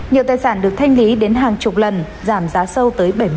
nhiều tài sản được thanh lý đến hàng chục lần giảm giá sâu tới bảy mươi